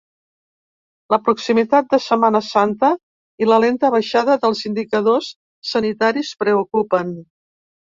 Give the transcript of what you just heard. La proximitat de Setmana Santa i la lenta baixada dels indicadors sanitaris preocupen.